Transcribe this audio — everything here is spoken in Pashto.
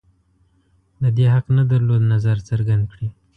د دې حق نه درلود نظر څرګند کړي